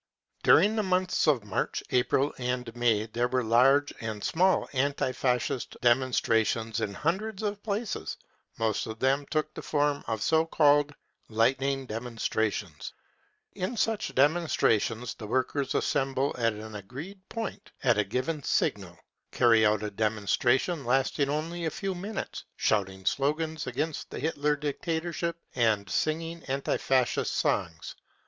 During the months of March, April and May there were large and small anti Fascist demonstrations in hundreds of places ; most of then^ took the form of so called " lightning demonstrations." In such demonstrations the workers assemble at an agreed point at a given signal, carry out a demonstration lasting only a few minutes, shouting slogans against the Hitler dictatorship and singing anti Fascist songs.